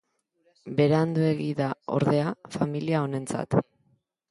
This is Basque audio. Beranduegi da, ordea, familia honentzat.